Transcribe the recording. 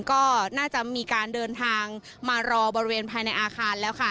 ก็น่าจะมีการเดินทางมารอบริเวณภายในอาคารแล้วค่ะ